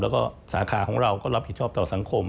แล้วก็สาขาของเราก็รับผิดชอบต่อสังคม